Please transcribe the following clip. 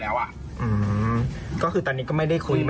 แล้วก็คุยว่า